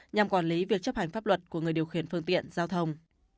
nhằm quản lý việc chấp hành pháp luật của người điều khiển phương tiện giao thông